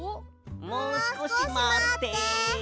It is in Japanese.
もうすこしまって！